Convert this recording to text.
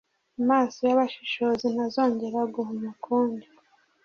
Amaso y’abashishozi ntazongera guhuma ukundi,